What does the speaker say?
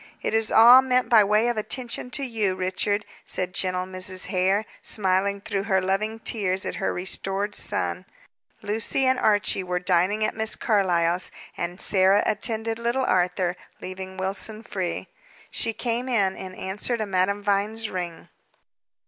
"It is all meant by way of attention to you, Richard," said gentle Mrs. Hare, smiling through her loving tears at her restored son. Lucy and Archie were dining at Miss Carlyle's, and Sarah attended little Arthur, leaving Wilson free. She came in, in answer to Madame Vine's ring.